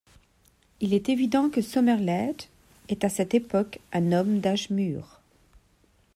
Il est évident que Somerled est à cette époque un homme d'âge mûr.